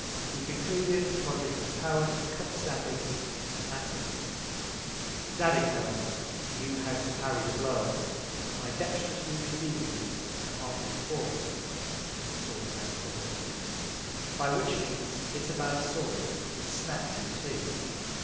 He concluded, 'twas in his Power to cut Zadig into Atoms. Zadig, however, knew how to parry the Blow, by dexterously receiving it upon his Fort (as the Swords men call it) by which Means Itobad's Sword was snapt in two.